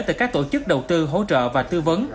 từ các tổ chức đầu tư hỗ trợ và tư vấn